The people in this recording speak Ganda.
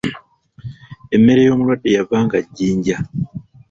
Emmere y'omulwadde yavanga jjinja.